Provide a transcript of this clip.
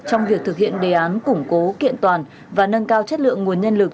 trong việc thực hiện đề án củng cố kiện toàn và nâng cao chất lượng nguồn nhân lực